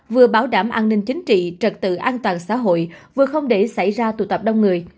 vừa bảo đảm an ninh chính trị trật tự an toàn xã hội vừa không để xảy ra tụ tập đông người